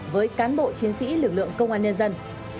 với cán bộ chiến sĩ lực lượng công an nhân dân